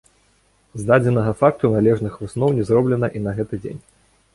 З дадзенага факту належных высноў не зроблена і на гэты дзень.